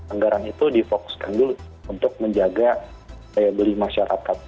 anggaran itu difokuskan dulu untuk menjaga daya beli masyarakat